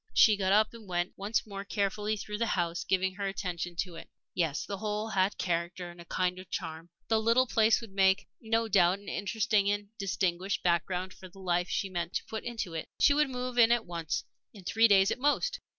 She got up and went once more carefully through the house, giving her attention to it. Yes, the whole had character and a kind of charm. The little place would make, no doubt, an interesting and distinguished background for the life she meant to put into it. She would move in at once in three days at most.